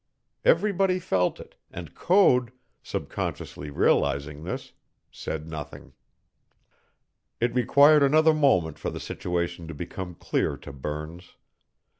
Everybody felt it, and Code, subconsciously realizing this, said nothing. It required another moment for the situation to become clear to Burns.